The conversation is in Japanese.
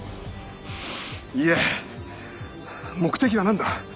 言え目的は何だ？